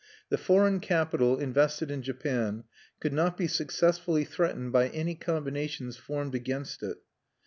The foreign capital invested in Japan could not be successfully threatened by any combinations formed against it.